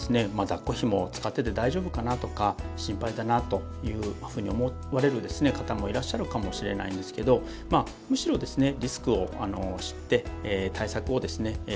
だっこひもを使ってて大丈夫かなとか心配だなというふうに思われる方もいらっしゃるかもしれないんですけどむしろですね